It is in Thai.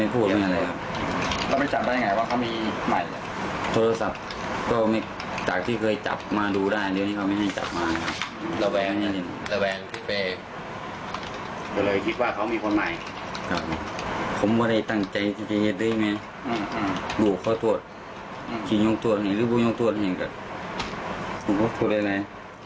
ผมไม่ได้ตั้งใจที่จะยัดด้วยมั้ยบุคคตรวจคิดยังตรวจให้หรือบุคยังตรวจให้กับคุณพบถูกอะไร